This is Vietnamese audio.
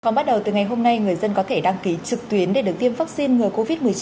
còn bắt đầu từ ngày hôm nay người dân có thể đăng ký trực tuyến để được tiêm vaccine ngừa covid một mươi chín